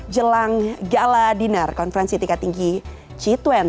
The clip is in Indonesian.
jelang gala dinner konferensi tingkat tinggi g dua puluh